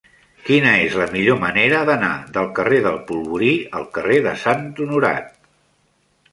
Quina és la millor manera d'anar del carrer del Polvorí al carrer de Sant Honorat?